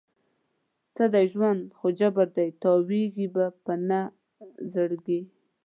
څه دی ژوند؟ خو جبر دی، تاویږې به په نه زړګي